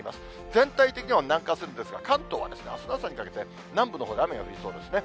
全体的には南下するんですが、関東はあすの朝にかけて、南部のほうで雨が降りそうですね。